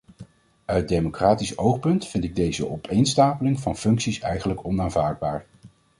Uit democratisch oogpunt vind ik deze opeenstapeling van functies eigenlijk onaanvaardbaar.